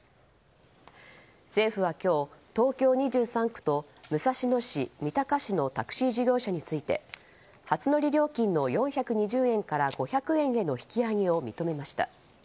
政府は今日、東京２３区と武蔵野市、三鷹市のタクシー事業者について初乗り料金の４２０円から５００円への引き上げを認めました。